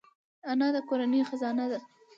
انا د کورنۍ خزانه ده